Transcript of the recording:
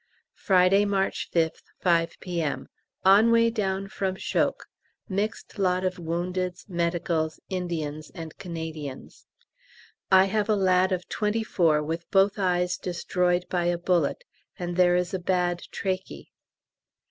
Friday, March 5th, 5 P.M. On way down from Chocques mixed lot of woundeds, medicals, Indians, and Canadians. I have a lad of 24 with both eyes destroyed by a bullet, and there is a bad "trachy."